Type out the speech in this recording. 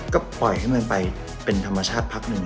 ก็ปล่อยให้มันไปเป็นธรรมชาติพักหนึ่ง